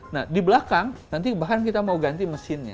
nah di belakang nanti bahkan kita mau ganti mesinnya